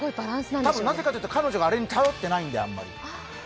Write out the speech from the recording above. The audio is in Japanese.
なぜかというと、彼女があれに頼ってないんで。